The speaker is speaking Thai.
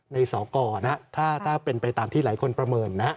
ในสกนะถ้าถ้าเป็นไปตามที่หลายคนประเมินน่ะ